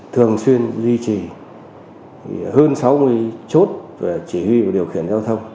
thường xuyên duy trì hơn sáu mươi chốt chỉ huy và điều khiển giao thông